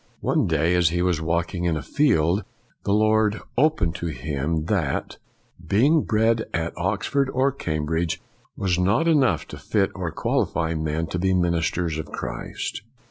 One day as he was walking in a field, the Lord " opened ' to him that " being bred at Oxford or Cam bridge was not enough to fit or qualify men to be ministers of Christ.""